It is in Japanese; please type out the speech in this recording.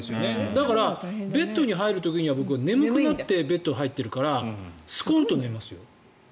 だから、ベッドに入る時には僕、眠くなってベッドに入っているからスコンと寝ます。